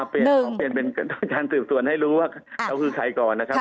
เปลี่ยนเป็นการสืบสวนให้รู้ว่าเราคือใครก่อนนะครับ